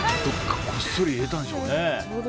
こっそり入れたんでしょうね。